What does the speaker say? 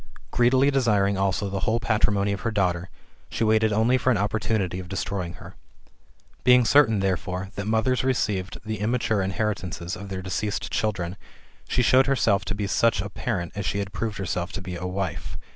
Greedily desiring also the patrimony of her daughter, she waited only for an opportunity of destroying her. Being certain, therefore, that mothers received the immature inherit ances of their deceased children, she showed herself to be such a parent, as she had proved herself to be a wife.